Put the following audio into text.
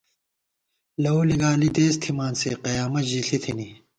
لَؤ لِگالی دېس تھِمان سے ، قیامت ژِݪی تھِنی